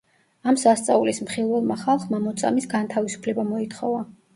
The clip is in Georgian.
ამ სასწაულის მხილველმა ხალხმა მოწამის განთავისუფლება მოითხოვა.